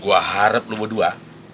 gue harap lo berdua